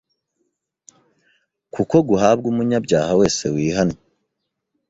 kuko guhabwa umunyabyaha wese wihannye